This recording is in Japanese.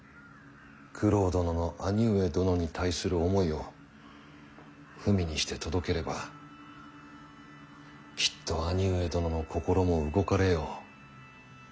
九郎殿の兄上殿に対する思いを文にして届ければきっと兄上殿の心も動かれよう。